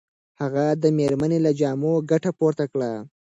هغه د مېرمنې له جامو ګټه پورته کړه.